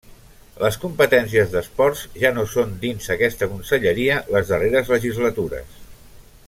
Les competències d'esports ja no són dins aquesta conselleria les darreres legislatures.